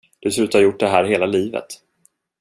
Du ser ut att ha gjort det här hela livet.